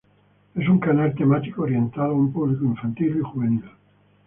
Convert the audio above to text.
Es un canal temático orientado a un público infantil y juvenil.